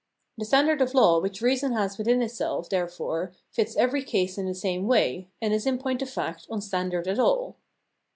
The standard of law which reason has within itself there fore fits every case in the same way, and is in point of fact on standard at all.